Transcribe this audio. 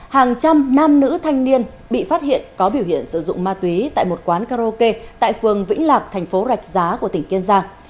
hàng trăm nam nữ thanh niên bị phát hiện có biểu hiện sử dụng ma túy tại một quán karaoke tại phường vĩnh lạc thành phố rạch giá của tỉnh kiên giang